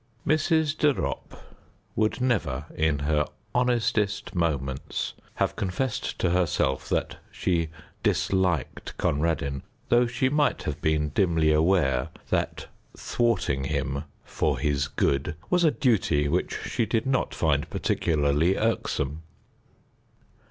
Mrs. de Ropp would never, in her honestest moments, have confessed to herself that she disliked Conradin, though she might have been dimly aware that thwarting him "for his good" was a duty which she did not find particularly irksome.